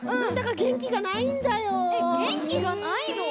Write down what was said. げんきがないの？